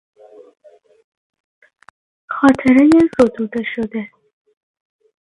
خاطرهی زدوده شده